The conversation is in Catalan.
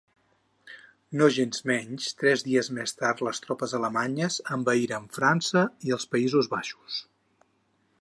Nogensmenys, tres dies més tard les tropes alemanyes envaïren França i els Països Baixos.